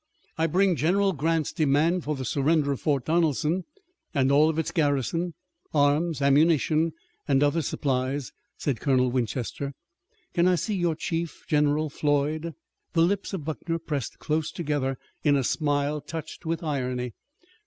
"I bring General Grant's demand for the surrender of Fort Donelson, and all its garrison, arms, ammunition, and other supplies," said Colonel Winchester. "Can I see your chief, General Floyd?" The lips of Buckner pressed close together in a smile touched with irony.